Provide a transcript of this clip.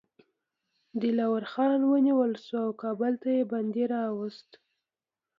دلاور خان ونیول شو او کابل ته یې بندي راووست.